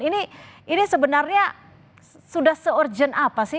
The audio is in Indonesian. ini sebenarnya sudah se urgent apa sih